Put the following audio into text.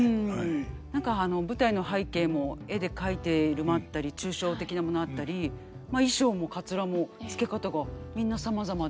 何か舞台の背景も絵で描いているものあったり抽象的なものあったりまあ衣裳もかつらもつけ方がみんなさまざまで。